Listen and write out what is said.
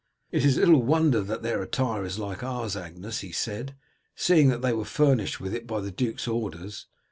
"It is little wonder that their attire is like ours, Agnes," he said, "seeing that they were furnished with it by the duke's orders.